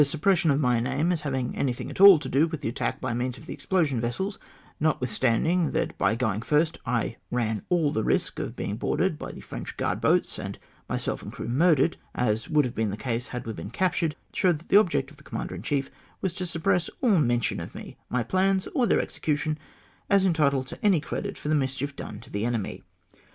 417 suppression of my name as having anything at all to do with the attack by means of the explosion vessels, notwithstanding that by going first I ran all the risk of being boarded by the French guard boats, and myself and crew murdered, as would have been the case had we been captured, showed that the object of the commander in chief was to suppress all mention of me, my plans, or their execution, as entitled to any credit for the mischief done to the enemy.